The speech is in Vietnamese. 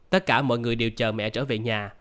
tất cả mọi người đều chờ mẹ trở về nhà